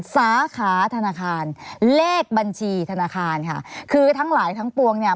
สาขาธนาคารเลขบัญชีธนาคารค่ะคือทั้งหลายทั้งปวงเนี่ย